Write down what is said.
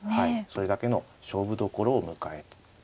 それだけの勝負どころを迎えています。